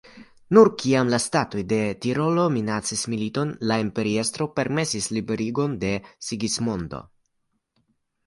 Nur kiam la statoj de Tirolo minacis militon, la imperiestro permesis liberigon de Sigismondo.